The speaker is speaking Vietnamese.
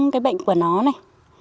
cái bệnh của nó này